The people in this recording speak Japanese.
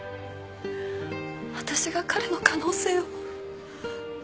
私が彼の可能性を。